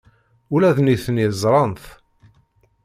Ula d nitni ẓran-t.